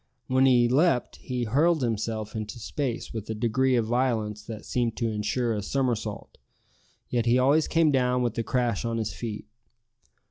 When he leaped, he hurled himself into space with a degree of violence that seemed to insure a somersault; yet he always came down with a crash on his feet.